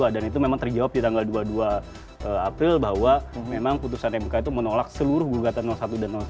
dan itu memang terjawab di tanggal dua puluh dua april bahwa memang putusan mk itu menolak seluruh gugatan satu dan tiga